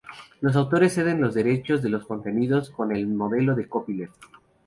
Los autores ceden los derechos de los contenidos con el modelo de "copyleft".